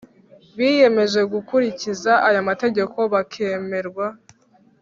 Biyemeje gukurikiza aya mategeko bakemerwa